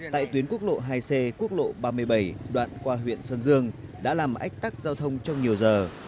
tại tuyến quốc lộ hai c quốc lộ ba mươi bảy đoạn qua huyện xuân dương đã làm ách tắc giao thông trong nhiều giờ